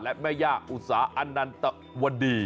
และม่าย่างอุษณณอันนานตวดี